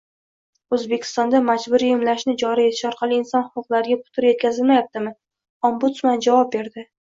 O‘zbekistonda majburiy emlashni joriy etish orqali inson huquqlariga putur yetkazilmayaptimi? Ombdusman javob berdi